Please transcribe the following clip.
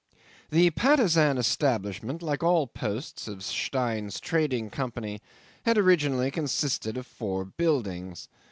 'The Patusan establishment, like all the posts of Stein's Trading Company, had originally consisted of four buildings.